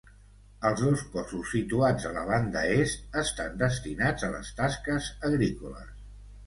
Els dos cossos situats a la banda est estan destinats a les tasques agrícoles.